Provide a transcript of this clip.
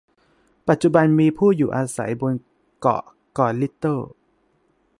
ปัจจุบัน มีผู้อยู่อาศัยบนเกาะเกาะลิตเติล